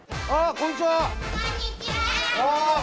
こんにちは！